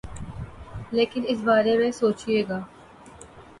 لیکن اس بارے میں سوچے گا۔